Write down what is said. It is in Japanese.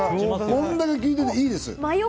こんだけ効いてていいです。